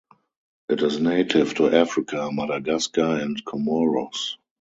It is native to Africa, Madagascar, and Comoros.